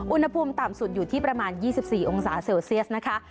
อุณหภูมิต่ำสุดอยู่ที่ประมาณ๒๔องศาเซลเซียสนะคะ